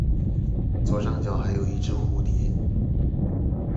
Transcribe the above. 左上角還有一隻蝴蝶